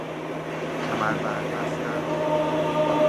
کمربند بستن